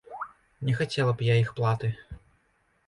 Не хацела б я іх платы.